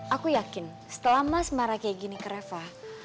aku yakin setelah mas mara kayak gini ke reva